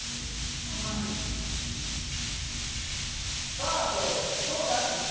さぁ翔平走者一掃。